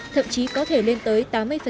thậm chí có thể lên tới tám mươi